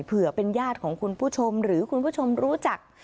เผื่อเป็นญาติของคุณผู้ชมหรือคุณผู้ชมรู้จัก